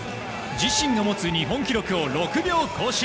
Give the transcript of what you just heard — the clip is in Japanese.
自身が持つ日本記録を６秒更新。